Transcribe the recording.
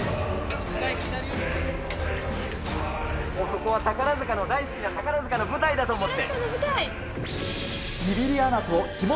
ここは大好きな宝塚の舞台だと思って。